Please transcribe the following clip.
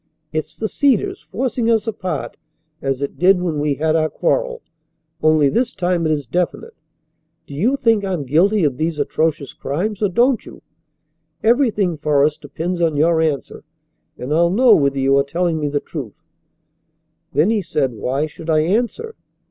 It's the Cedars forcing us apart as it did when we had our quarrel. Only this time it is definite. Do you think I'm guilty of these atrocious crimes, or don't you? Everything for us depends on your answer, and I'll know whether you are telling me the truth." "Then," he said, "why should I answer?"